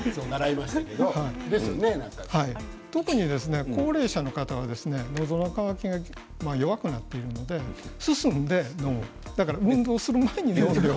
特に高齢者の方は水の乾きが弱くなっていますので進んで飲む、運動する前に飲む。